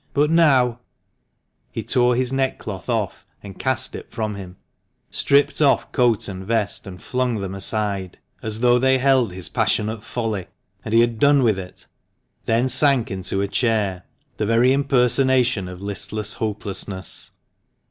but now " He tore his neckcloth off, and cast it from him, stripped off coat and vest, and flung them aside, as though they held his passionate folly, and he had done with it, then sank into a chair, the very impersonation of listless hopelessness.